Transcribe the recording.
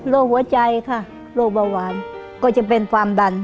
หัวใจค่ะโรคเบาหวานก็จะเป็นความดัน